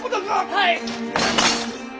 はい！